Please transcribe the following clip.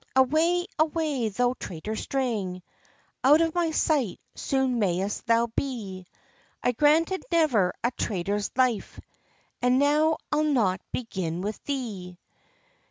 "Away, away, thou traitor strang! Out of my sight soon may'st thou be! I granted never a traitor's life, And now I'll not begin with thee."